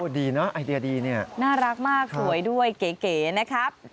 ดีนะไอเดียดีเนี่ยน่ารักมากสวยด้วยเก๋นะครับ